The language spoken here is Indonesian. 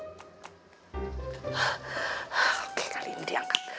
oke kali ini diangkat